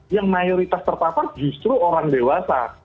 yang mayoritas terpapar justru orang dewasa